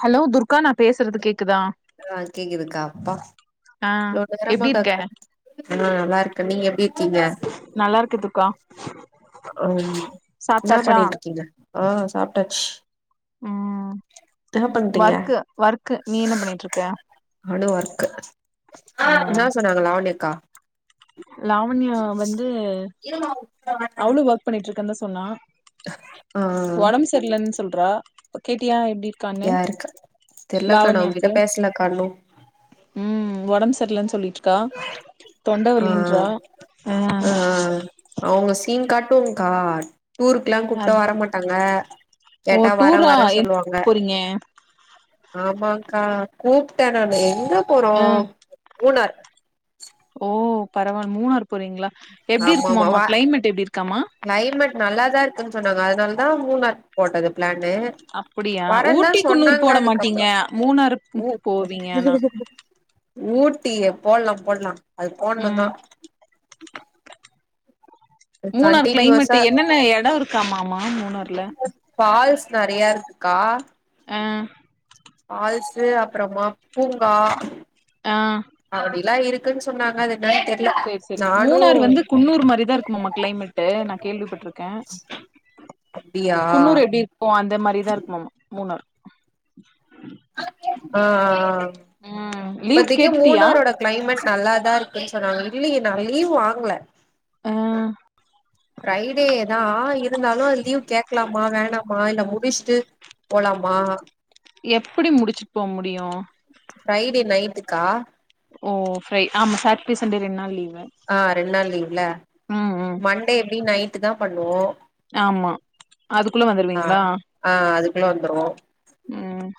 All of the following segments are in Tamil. ஹலோ துர்கா நா பேசுறது கேக்குதா ஆ கேக்குதுகா அப்பா ஆ இவ்ளோ நேரமா எப்டி இருக்க கத் ஆ நல்லா இருக்கே நீங்க எப்டி இருக்கீங்க நல்லா இருக்க துர்கா ஓ என்ன சாப்ட்டாச்சா பண்ணிட்டு இருக்கீங்க ஆ சாப்ட்டாச் அ பண்றீங்க வொர்க்கு வொர்க்கு நீ என்ன பண்ணிட்டு இருக்க என்ன சொன்னாங்க லாவன்யா அக்கா லாவண்யா வந்து அவளு ஒர்க் பண்ணிட்டு இருக்கனு தா சொன்னா ஆ தெர்லன்னு சொல்றா கேட்டியா எப்டி இருக்கான்னு யாருக்கு தெர்லக்கா நா அவங்ககிட்ட லாவண்யாக்கு பேசலக்கா இன்னு ம் உடம்பு சரியலன்னு சொல்லிட்டு இருக்கா ஆ தொண்டவலின்றா ம் ஆ அவங்க சீன் காட்டுங் கா ஊர்க்குல்லா கூப்ட்டா அது வர மாட்டாங்க ஓ கேட்டா வர டூரா வரன்னு எங் சொல்லுவாங்க போறீங்க ஆமாக்கா கூப்பிட்டே நானு எங்க போறோ ஆ மூணார் ஓ பரவாயில்ல மூணார் போறீங்களா எப்டி ஆமா ஆமா இருக்குமாமா வ கிளைமேட் எப்டி இருக்காமா கிளைமேட் நல்லாதா இருக்குன்னு சொன்னாங்க அதனால தா மூணார் போட்டது பிளான்னு அப்டியா வரந்தா ஊட்டி குன்னூர் சொன்னாங்க போட மாட்டீங்க அதுக்கப்பறோ மூணாறு உ போவீங்க ஆனா ஊட்டியே போடலா போடலா அது போடணும்தா ம் மூணார் கிளைமேட் கண்டினியூஸா என்னென்ன எடோ இருக்காமாமமா மூணார்ல ஃபால்ஸ் நறைய இருக்குக்கா அ ஃபால்ஸு அப்பறமா பூங்கா ஆ அப்டி லா இருக்குனு சொன்னாங்க அது என்னன் தெர் சேரி சேரி மூணார் வந்து குன்னூர் மாரிதா இருக்கும்மா மா கிளைமேட்டு நா கேள்விப்பட்ருக்கே அப்டியா குன்னூரு எப்டி இருக்கு அந்த மாரிதா இருக்குமா மூணார் ஆ ஆ ஆ ம் லீவ் இப்பத்திக்கு கேட்டுட்டியா மூணாரோட கிளைமேட் நல்லாதா இருக்குன்னு சொன்னாங்க இல்ல நா லீவு வாங்கல ஆ ஃப்ரைடேதா இருந்தாலு அது லீவ் கேட்கலாமா வேணா மா இல்ல முடிச்சுட்டு போலாமா எப்டி முடிச்சுட்டு போக முடியு ஃப்ரைடே நைட்டுக்கா ஓ ஃப்ரை ஆமா சார்ட்டடே சண்டே ரெண்டு நாள் லீவு ஆ ரெண்டு நாள் லீவ்ல ம் ம் மண்டே எப்டி நைட்டு தா பண்ணுவோ ஆமா அதுக்குள்ள ஆ வந்துருவீங்களா ஆ அதுக்குல்ல வந்துருவோ ம்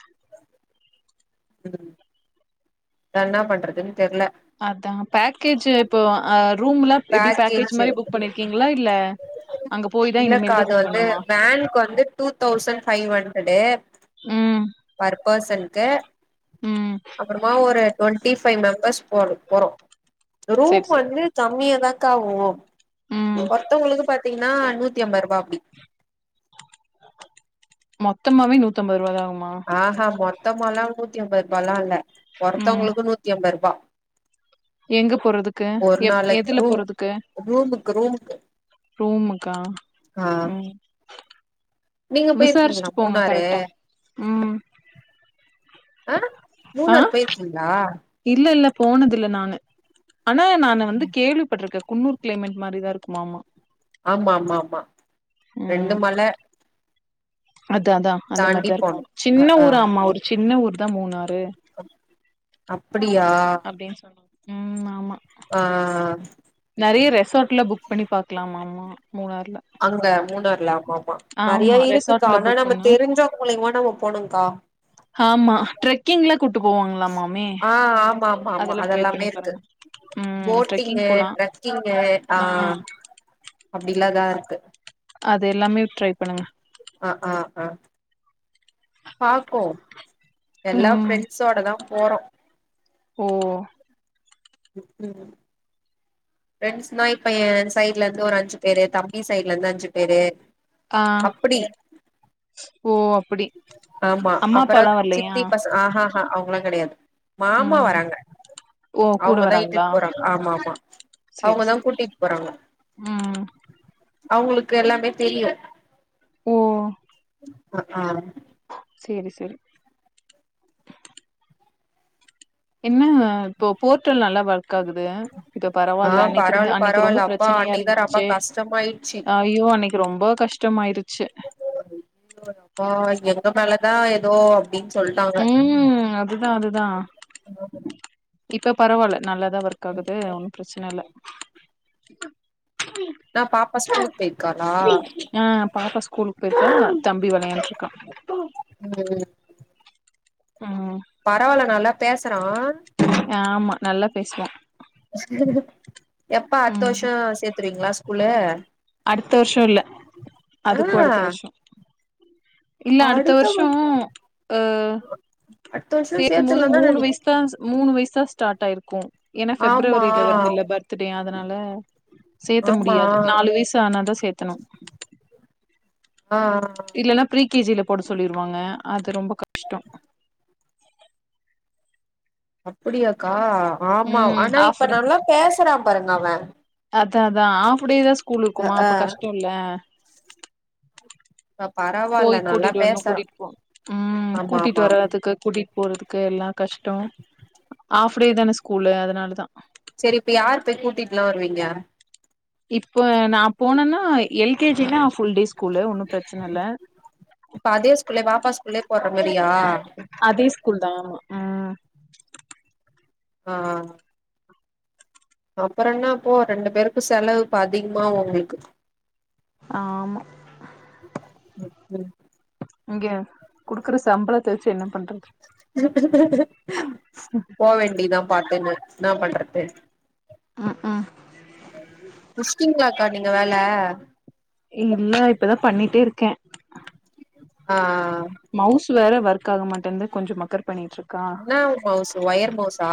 [inaudible] நா என்னா பண்றதுன்னு தெர்ல அதா பேக்கேஜ் இப்போ ரூம்லா எப்டி பேக்கேஜ் பேக்கேஜு மாரி புக் பண்ணிருக்கீங்களா இல்ல அங்க போய் தா இல்லக்கா இனிமேல் தா அது புக் வந்து பண்ணுமா வேனுக்கு வந்து டூ தௌசண்ட் ஃபைவ் ஹண்ட்ரடு ம் பர் பர்சனுக்கு ம் என்னா ஒரு டுவெண்டி பைவ் மெம்பர்ஸ் போர போறோ ரூம் செரி செரி வந்து கம்மியா க்காவோ ம் ஒருத்தவங்களுக்கு பாத்தீங்கன்னா நூத்தி ஐம்பது ரூபா அப்டி மொத்தமாவே நூத்தம்பது ரூபா தா ஆகுமா ஆஹா மொத்தமாலா நூத்தி ஐம்பது ரூபாய்ல்லா இல்ல ம் ஒருத்தவங்களுக்கு நூத்தி ஐம்பது ரூபா எங்க போறதுக்கு ஒரு எப் நாளைக்கு எதுல ரூம் போறதுக்கு ரூமுக்கு ரூமுக்கு ரூமுக்கா ஆ ம் நீங்க போயிருக்கீங்களா விசாரிச்சுட்டு போங்க மூணாறு கரெக்டா ம் ஆ ஆ மூணாறு போய்ருக்கிங்களா இல்ல இல்ல போனதுல்ல நானு ஆனா நான் வந்து கேள்விப்பட்டிருக்கே குன்னூர் கிளைமேட் மாரி தா இருக்குமாமா ஆமா ஆமா ஆமா ரெண்டு மல அத அதா அந்த தாண்டி மாரிதா இருக்கு போனு அ சின்ன ஆ ஊரா ஆமா ஒரு சின்ன ஊர் தா மூணாறு அப்டியா அப்படின்னு சொன்னாங்க ம் ஆமா ஓ ஓ நெறைய ரெசார்ட்ல புக் பண்ணி பாக்கலாம ஆமா மூணார்ல அங்க மூணார்ல ஆமா ஆமா நெறைய ஆமா இருக்குக்கா ரெசார்ட்ல ஆனா புக் நம்ம பண்ணா தெரிஞ்ச மூலியமா நம்ம போணும்கா ஆமா ட்ரெக்கிங்ல கூட்டு போவாங்களாமாமே ஆ ஆமா ஆமா ஆமா அதெல்லா ட்ரை அதெல்லாமே பண்ணி இருக்கு பாருங்க ம் ட்ரெக்கிங் போட்டிங்கு போலா ட்ரக்கிங்கு ஆ அப்டில்லாதா இருக்கு அது எல்லாமே ட்ரை பண்ணுங்க ஆ ஆ ஆ பாப்போ எல்லா ம் ஃப்ரெண்ட்ஸோட தா போறோ ஓ ம் ப்ரெண்ட்ஸ்னா இப்ப என் சைட்ல இருந்து ஒரு அஞ்சு பேரு தம்பி சைட்ல இருந்து அஞ்சு பேரு ஆ அப்படியா ஓ அப்டி ஆமா அம்மா அப்றோ அப்பாலா வரலையா சித்தி பசங்க ஆ ஆ ஆ அவங்களா கிடையாது மாமா ம் வராங்க ஓ கூட அவங்கதா வராங்களா இட்டுட்டு போறாங்க ஆமா ஆமா சேரி அவங்கதா சேரி கூட்டிட்டு போறாங்க ம் அவங்களுக்கு எல்லாமே தெரியு ஓ அக் ஆ சேரி சேரி இல்லங்க இப்போ போர்ட்டல் நல்லா ஓர் க்காகுது அ இப்ப ஆ பரவால்ல அன்னைக்கு பரவால்ல இருந்து அன்னைக்கு ரொம்ப பரவால்ல அப்பா பிரச்சனையா அன்னைக்குதா ரொம்ப இருந்துச்சே கஷ்டமாயிடுச்சு ஐயோ அன்னைக்கு ரொம்ப கஷ்டமாயிருச்சு அப்ப எங்க மேலதா எதோ ம் அதுதா அதுதா இப்ப பரவால்ல நல்லாதா ஒர்க் ஆகுது ஒன்னு பிரச்சன இல்ல ஆ பாப்பா ஸ்கூலுக்கு போய்ர்க்காளா ஆ பாப்பா ஸ்கூலுக்கு போய்ர்க்கா தம்பி விளையாட்ருக்கா ம் ம் பரவால நல்லா பேசுறா ஆமா நல்லா பேசுவா எப்ப அடுத்த ம் வருஷோ சேத்துருவீங்களா ஸ்கூல்லு அடுத்த வருஷோ இல்ல அதுக்கு அடுத்த வருஷோ இல்ல அடுத்த வருஷோ அ அடுத்த வருஷோ சேத்தும் போது சேத்துர்லாந்தா மூணு நெனை வயஸ்தா மூணு வயசு தா ஸ்டார்ட் ஆயிருக்கு ஏனா ஆமா ஃபெப்ரவரில வர்துல்ல பத் த்துடே அதனால சேத்த ஆமா முடியாது நாலு வயசு ஆனா தா சேத்தணு ஆ ஆ இல்லன்னா ப்ரீ கேஜ்ல போட சொல்லிருவாங்க அது ரொம்ப கஷ்டோ அப்டியாக்கா ஆமா ம் ஆனா ஹாஃப் இப்ப டே நல்லா பேசுறா பாருங்க அவே அதா அதா ஹாப் டே தா ஸ்கூல் இருக்குமா ஆ அப்ப கஷ்டோல இப்ப போய் பரவால்ல நல்லா கூட்டிட்டு வர்ணு பேசுறா கூட்டிட்டு போனு ம் ஆமா கூட்டிட்டு ஆமா ஆமா வரதுக்கு கூட்டிட் போறதுக்கு எல்லா கஷ்டோ ஆஃப்டே தான ஸ்கூல்லு அதனால தா செரி இப்ப யாரு போய் கூட்டிட்லா வருவீங்க இப்போ நா போனேன்னா எல் கே ஜி தா ஃபுல் டேஸ் இப்ப அதே ஸ்கூல்லே பாப்பா ஸ்கூல்லே போடுற மாரியா அதே ஸ்கூல் தா ஆமா ம் ஆஹ் அப்பறோ என்ன இப்போ ரெண்டு பேருக்கு செலவு இப்ப அதிகமாவு உங்களுக்கு ஆமா ம் ம் இங்க குடுக்குற சம்பளத்த வச்சு என்ன பண்றது போவேண்டிதா பார்ட் டைம் வெர்க்ஸ் என்னா பண்றது ம் ஹும் முஷ்டிங்களாக்கா நீங்க வேல இல்ல இப்பதா பண்ணிட்டே இருக்கே ஆஹ் மவுஸ் வேற ஒர்க் ஆக மாட்டேந்த்து கொஞ்சோ மக்கர் பண்ணிட்டு ருக்கா என்ன மவுசு ஒயர் மவுசா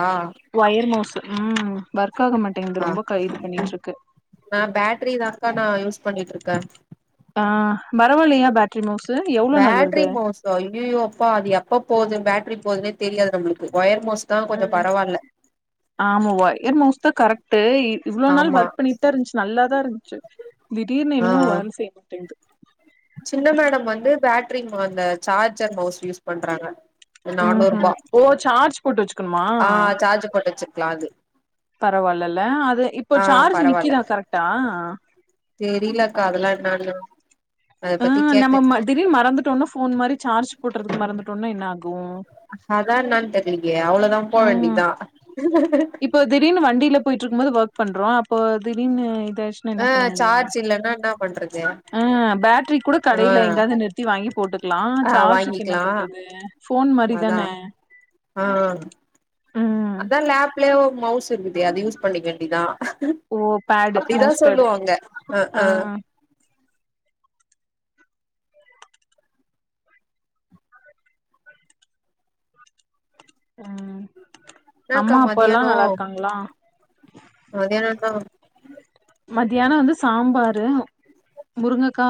ஒயர் மவுஸ் ம் ஒர்க் ஆக மாட்டேங்குது ஆ ரொம்ப க இது பண்ணிட்டு இருக்கு நா பேட்ரிதாங்க்கா நா யூஸ் பண்ணிட்டு இருக்கே ஆ பரவால்லயா பேட் ட்ரி மவுசு ஏ பேட்ரி மோஸா ஐய்யயோ அப்பா அது எப்ப போது பேட்ரி போதுன்னே தெரியாது நம்மளுக்கு ஒயர் மோஸ் ம் ஆமா ஒயர் மௌஸ்தா கரெக்டு இ இவ்ளோ நாள் ஆமா ஒர்க் பண்ணிட்டு இருந்ச்சு நல்லா தா இருந்ச்சு திடீர்னு ஆ எனமோ வேல செய்ய மாட்டேங்குது சின்ன மேடம் வந்து பேட்ரிக் ம அந்த சார்ஜர் மவுஸ் யூஸ் பண்றாங்க ம் ஹு நானூறுபா ஓ சார்ஜ் போட்டு வச்சுக்கணுமா ஆ சார்ஜ் போட்டு வச்சிருக்கலா அது பரவால்லல அது இப்போ ஆ சார்ஜ் பரவால்ல நிக்கிதா கரெக்டா தெரிலக்கா அதெல்லா என்னனு ஆ நம்ம மற திடீர் மறந்துட்டோனா ஃபோன் மாரி சார்ஜ் போட்டுறது மறந்துட்டோனா என்ன ஆகு அதா என்னானு தெரிலயே அவ்ளோதா போ ம் வேண்டியதா இப்போ திடீர்னு வண்டியில போயிட்டு இருக்கும்போது ஒர்க் பண்றோம் அப்போ திடீனு இதச்சுன ஆ என்ன பண்ண முடியும் சார்ஜ் இல்லன்னா என்ன பண்றது பேடரி கூட கடல ஆ எங்க சுத்தி வாங்கி போட்டுக்கலாம் ஆ சார்ஜுக்கு என்ன வாங்கிக்கலா பண்றது ஃபோன் மாதிரி அதா தானே ஆ ம் அதான் லேப்லயே மவுஸ் இருக்குது அது யூஸ் பண்ணிக்க வேண்டிதான் ஓ பேடு அப்டி மவுஸ் தான் பேடு சொல்லுவாங்க அஹ ஆ அஹ ம் என்னாக்கா அம்மா அப்பா எல்லாம் நல்லா இருக்காங்களா மதியானம் தா மத்தியானம் வந்து சாம்பாரு முருங்கக்கா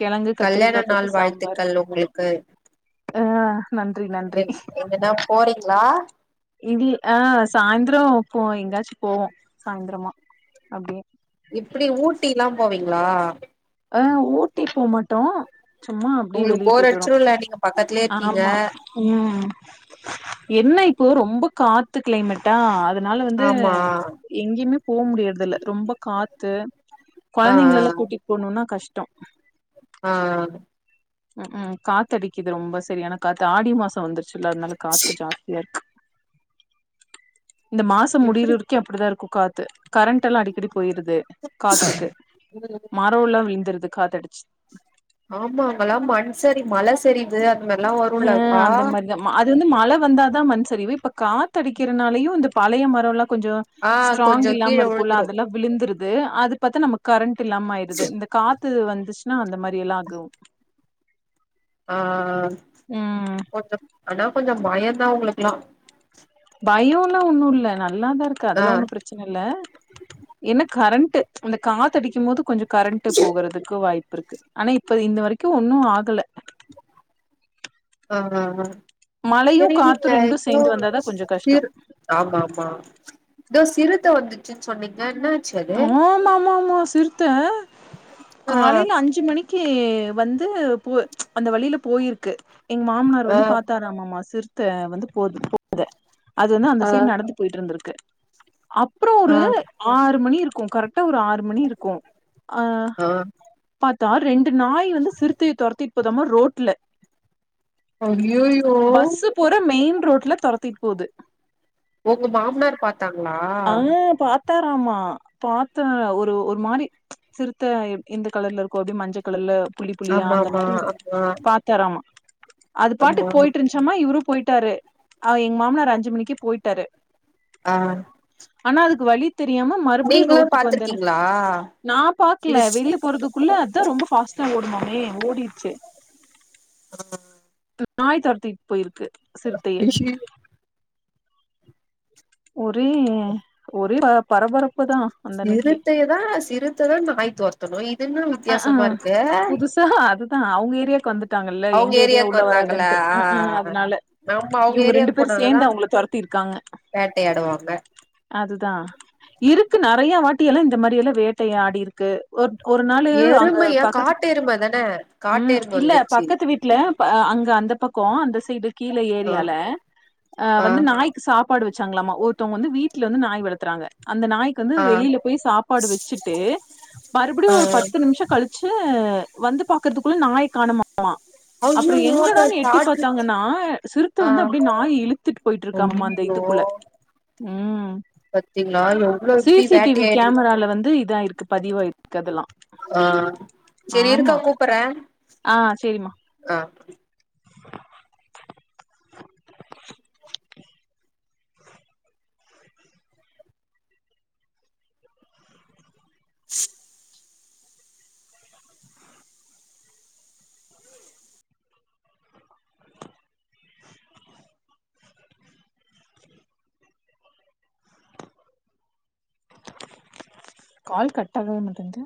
கிழங்கு கல்யாண கத்திரிக்காய் போட்டு நாள் சாம்பரு வாழ்த்துக்கள் உங்களுக்கு என்ங்கன்னா போறீங்களா இல் ஆ சாய்ந்திரம் போவோ எங்காச்சும் போவோம் சாய்ந்திரமா அப்டியே இப்டி ஊட்டில்லா போவீங்களா ஆ ஊட்டி போ மாட்டோம் சும்மா அப்டியே உங்களுக்கு வெளியே போர் போயிட்டு வருவோம் அடிச்சிருல்ல நீங்க பக்கத்துலயே இருக்கீங்க ஆமா ம் என்ன இப்போ ரொம்ப காத்து கிளைமேட்டா அதனால வந்து ஆமா எங்கேயுமே போ முடியறது இல்ல ரொம்ப காத்து ஆ குழந்தைங்கள எல்லாம் கூட்டி போணுன்னா கஷ்டம் ஆ ம் ம் காத்து அடிக்குது ரொம்ப செரியான காத்து ஆடி மாசம் வந்துரு ச்சு அதனால காத்து ஜாஸ்தியா இருக்கு இந்த மாசம் முடியற எப்டி வரைக்கும் அப்டி‌தான் இருக்கும் காத்து கரண்ட் எல்லாம் அடிக்கடி போயிருது காத்துக்கு ம ரல்லாம் விழுந்துருது காத்து அடிச்சு ஆமா அங்க எல்லாம் மண் சரி மல சரிது ஹ அந்த மாரி‌ தான் அது வந்து மழ வந்தா தான் மண் சரிவு இப்ப காத்து அடிக்கிறதுனாலயும் இந்த பழைய மரம் எல்லாம் கொஞ்சோ ஆ ஸ்ட்ராங் கொஞ்சோ கீழ இல்லாம இருக்கும்ல்ல விழுந்துரு அதெல்லாம் விழுந்துருது அது பத்தா நமக்கு கரண்ட் இல்லாம ஆயிடுது இந்த காத்து வந்துச்சுன்னா அந்த மாரி எல்லாம் ஆகும் ஆ ம் கொஞ்சம் ஆனா கொஞ்சம் மயம் தான் உங்களுக்கு எல்லா பயம் எல்லாம் ஒன்னும் இல்லை நல்லாதான் இருக்கு ஆ அதுல்லா ஒண்ணு பிரச் சனை இல்ல என்ன கரண்ட் அந்த காத்த அடிக்கும் போது கொஞ்சம் கரண்ட் போகுறதுக்கு வாய்ப்பு இருக்கு ஆனா இப்ப இந்த வரைக்கும் ஒன்னும் ஆகல ஆ ஆ ஆ மழையு செரி நீங்க காத்து ரெண்டு ஏதோ சேந்து வந்தாதா கொஞ்சோ சி கஷ்டோ ஆமா ஆமா இதோ சிறுத்த வந்துச்சுன்னு சொன்னீங்க என்ன ஆமமா ஆமா சிருத்தை ஆ காலையில் அஞ்சு அஞ்சு மணிக்கு வந்து போ அந்த வழியில போயிருக்கு எங்க மாமனார் ஆ வந்து பாத்தாராமாம சிறுத்தை வந்து போது போத அது வந்து அந்த சைட நடந்து போயிட்டு இருந்திருக்கு அப்றோ ஆ ஒரு ஆறு மணி இருக்கும் கரெட்டா ஒரு ஆறு மணி இருக்கும் ஆ பத்தா ரெண்டு நாய் வந்து சிறுத்தையை துரத்திட்டு போதாம ரோட்ல ஐயையோ பஸ்ஸு போற மெயின் ரோட்ல தொரத்திட்டு போது உங்க மாமனார் பாத்தாங்களா தரமா பாத்த ஒரு ஒரு மாரி சிறுத்த எந்த கலர்ல இருக்கு அப்டியே மஞ்சள் கலர்ல புள்ளி புள்ளியா ஆமா அந்த ஆமா மாரி ஆமா பாத்தாராம அது பாட்டு ஆமா போய்ட்டு இருந்து சும்மா மா இவரு போய்ட்டாரு எங்க மாமனரு அஞ்சு மணிக்கு போய்ட்டாரு ஆ ஆனா அதுக்கு வழி தெரியாம மறுபடியு நீங்களு ரோட்டுக்கு வந்தேன பாத்துருக்கீங்களா நா சிறு பாக்கல வெளில போறதுக் குள்ள அதா ரொம்ப ஃபார்ஸ்ட்டா ஓடுமாமே ஓடிச்சு ஆஹ் நாய் தொரத்திட் போய்ருக்கு சிறுத்தய ஐயையோ ஒரே ஒரே பரபரப்புதா அந்தன்னைக்கு சிறுத்தையதா சிறுத்ததா நாய் தொறத்து அஹ் அ புதுசா அதுதா அவங்க ஏரியாவுக்கு வந்துட்டாங்கல்ல அவங்க எங்க ஏரியா ஏரியாக்கு உள்ள வராது வந்தாங்களா தென்ட்டு ஆ அதனால நம்ம அவங்க இவங்க ரெண்டு ஏரியாக்கு பேரு போனாங்கதா சேந்து அவங்கள துரத்திருக்காங்க வேட்டையாடுவாங்க அதுதா இருக்கு நெறய வாட்டி எல்லா இந்த மாரி எல்லா வேட்டை ஆடிருக்கு ஒர் ஒரு நாளு அங்க எருமையா பக்கத்து காட்டு எரும தான காட்டு ம் எரும இல்ல வந்துருச்சு பக்கத்து வீட் ட்ல ப அங்க அந்த பக்க அந்த சைடு கீழ ஏரியால அ ஆ ஆ வந்து நாய் சாப்பாடு வச்சாங்களாமா ஒருத்தவங்க வீட்டுலந்து நாய் வளத்துறாங்க அந்த நாய் கு வந்து ஆ வெளில போய் சாப்பாடு வச்சுட்டு ஆ மறுபடியு ஒரு நிமிஷ கழிச்சு வந்து பாக்குறதுக்குள்ள நாய காணமாமா அப்ற ஐயையோ அப்ப எங்கடான்னு எட்டி சாப்ட்ருச்சு பாத்தாங்கனா சிறுத்த ஆ வந்து அப்டியே நாய் இழுத்துட்டு போய்ட்டு இருக்காம்மா அந்த ஐயையோ இதுக்குள்ள ம் பாத்தீங்களா எவ்ளோ எப்டி சிசிடிவி வேட்டையாடிருக்கு கேமரால வந்து இதா இருக்கு பதிவாய்ருக்கு அதெல்லா ஆ சரி இருக்கா ஆமா கூப்பற ஆ சேரிம்மா ஆ ஹ கால் கட் பண்ணவே மாட்டங்கது